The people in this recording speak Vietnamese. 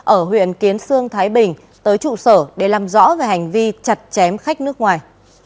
ở huyện kiến sương thái bình tới trụ sở để làm rõ về hành vi chặt chém khách nước ngoài